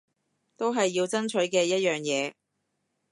都係要爭取嘅一樣嘢